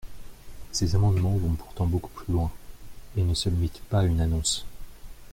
Ces amendements vont pourtant beaucoup plus loin, et ne se limitent pas à une annonce.